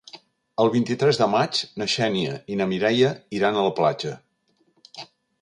El vint-i-tres de maig na Xènia i na Mireia iran a la platja.